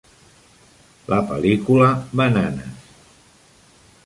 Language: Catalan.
La pel·lícula Bananas!